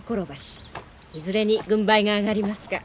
いずれに軍配が上がりますか。